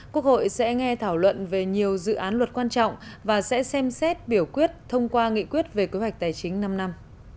quốc hội sẽ nghe thảo luận về nhiều dự án luật quan trọng và sẽ xem xét biểu quyết thông qua nghị quyết về kế hoạch tài chính năm năm